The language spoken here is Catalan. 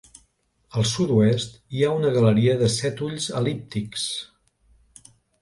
Al sud-oest, hi ha una galeria de set ulls el·líptics.